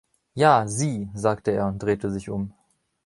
„Ja, Sie“, sagte er und drehte sich um.